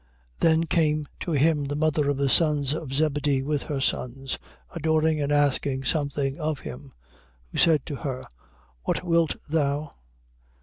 20:20. Then came to him the mother of the sons of Zebedee with her sons, adoring and asking something of him. 20:21. Who said to her: What wilt thou?